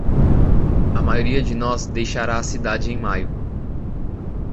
A maioria de nós deixará a cidade em maio.